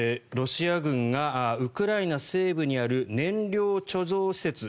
ロシア軍がウクライナ西部にある燃料貯蔵施設